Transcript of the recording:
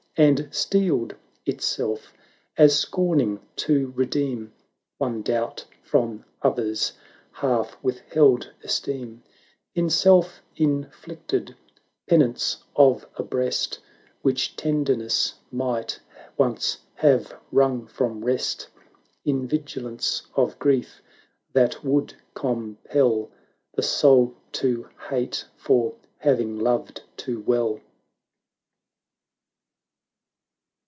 And steeled itself, as scorning to redeem One doubt from others' half withheld esteem; In self inflicted penance of a breast • Which Tenderness might once have wrung from Rest; 310 In vigilance of Grief that would compel The soul to hate for having loved too well.